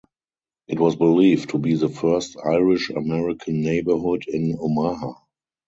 It was believed to be the first Irish American neighborhood in Omaha.